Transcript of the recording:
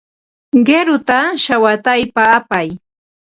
Qiruta shawataypa apay.